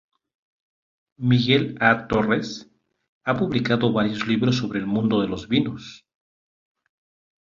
Miguel A. Torres ha publicado varios libros sobre el mundo de los vinos.